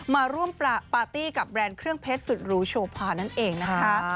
มาร่วมปาร์ตี้กับแบรนด์เครื่องเพชรสุดหรูโชภานั่นเองนะคะ